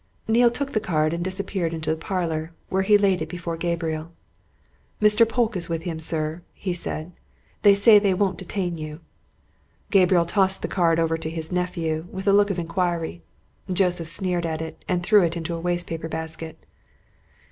Neale took the card and disappeared into the parlour, where he laid it before Gabriel. "Mr. Polke is with him, sir," he said. "They say they won't detain you." Gabriel tossed the card over to his nephew with a look of inquiry: Joseph sneered at it, and threw it into a waste paper basket.